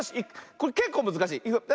これけっこうむずかしい。